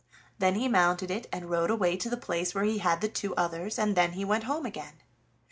Then he mounted it and rode away to the place where he had the two others, and then he went home again.